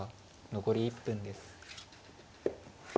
残り１分です。